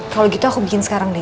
kalau gitu aku bikin sekarang deh